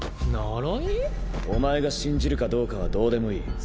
お前が信じるかどうかはどうでもいい。